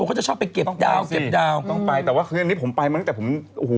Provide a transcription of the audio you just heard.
เขาจะชอบไปเก็บดาวเก็บดาวต้องไปแต่ว่าคืออันนี้ผมไปมาตั้งแต่ผมโอ้โห